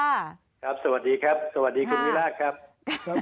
สวัสดีครับสวัสดีคุณวิราชครับ